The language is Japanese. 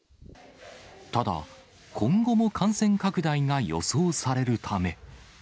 ただ、今後も感染拡大が予想されるため。